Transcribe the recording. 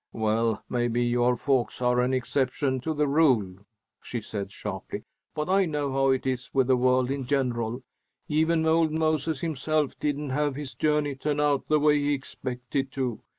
"Well, maybe your folks are an exception to the rule," she said, sharply, "but I know how it is with the world in general. Even old Moses himself didn't have his journey turn out the way he expected to.